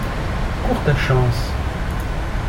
Cours ta chance